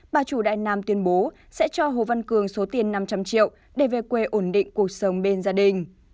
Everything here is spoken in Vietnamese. bà chủ đại nam tuyên bố sẽ cho hồ văn cường số tiền năm trăm linh triệu để về quê ổn định cuộc sống bên gia đình